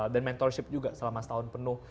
dan mentorship juga selama setahun penuh